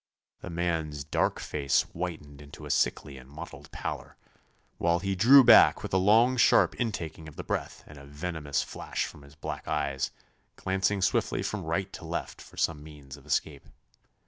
The man's dark face whitened into a sickly and mottled pallor, while he drew back with a long sharp intaking of the breath and a venomous flash from his black eyes, glancing swiftly from right to left for some means of escape.